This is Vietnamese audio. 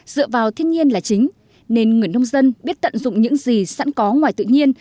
dựa vào thiên nhiên là chính nên người nông dân biết tận dụng những gì sẵn có ngoài tự nhiên